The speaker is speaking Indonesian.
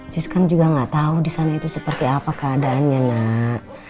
sos kan juga gak tau disana itu seperti apa keadaannya nak